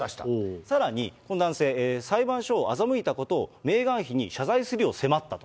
さらにこの男性、裁判所を欺いたことを、メーガン妃に謝罪するよう迫ったと。